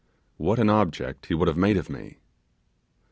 What an object he would have made of me!